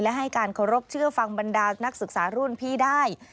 และให้การเคารพเชื่อฟังบรรดานักศึกษารุ่นพี่ได้